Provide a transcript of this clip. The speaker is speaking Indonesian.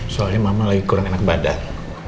soalnya mama lagi kurang enak badan